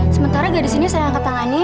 sementara gadis ini saya angkat tangani